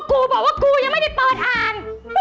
กูบอกว่ากูยังไม่ได้เปิดทาน